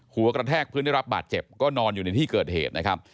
หัวกระแทกพื้นได้รับบาดเจ็บก็นอนอยู่ในที่เกิดเหตุนะครับ